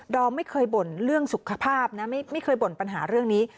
อมไม่เคยบ่นเรื่องสุขภาพนะไม่เคยบ่นปัญหาเรื่องนี้